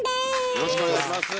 よろしくお願いします。